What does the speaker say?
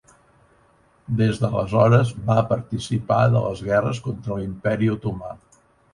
Des d'aleshores va participar de les guerres contra l'Imperi Otomà.